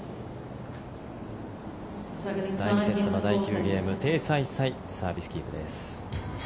第２セットの第９ゲームテイ・サイサイサービスキープです。